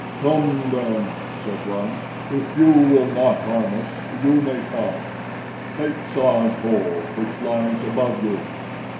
"Come, then," said one. "If you will not harm us, you may come. Take Tsa's hole, which lies above you."